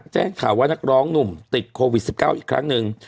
แจ้งข่าวว่านักร้องหนุ่มติดโควิด๑๙อีกครั้งหนึ่ง